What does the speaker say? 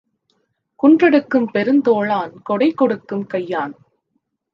குன்றெடுக்கும் பெருந்தோளான் கொடைகொடுக்கும் கையான்!